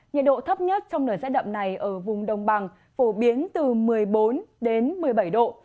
nhiệt độ thấp nhất trong nửa xét đậm này ở vùng đông bằng phổ biến từ một mươi bốn đến một mươi bảy độ